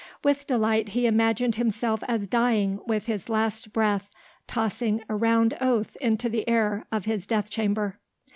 With delight he imagined himself as dying and with his last breath tossing a round oath into the air of his death chamber.